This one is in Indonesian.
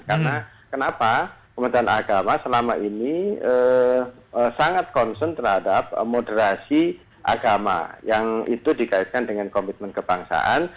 karena kenapa kementerian agama selama ini sangat konsen terhadap moderasi agama yang itu dikaitkan dengan komitmen kebangsaan